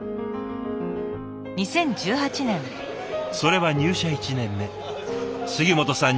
それは入社１年目杉本さん